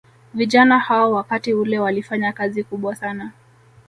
Vijana hao wakati ule walifanya kazi kubwa sana